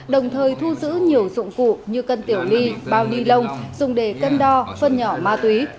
đồng thời thu giữ nhiều dụng cụ như cân tiểu ly bao đi lông dùng để cân đo phân nhỏ ma túy